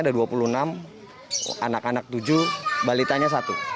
ada dua puluh enam anak anak tujuh balitanya satu